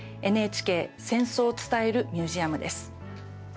ＮＨＫ戦争を伝えるミュージアムです。